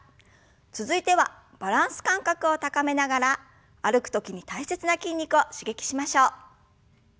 続いてはバランス感覚を高めながら歩く時に大切な筋肉を刺激しましょう。